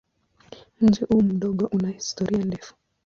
Mji huu mdogo una historia ndefu.